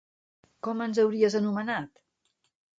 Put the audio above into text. Com ens hauries anomenat?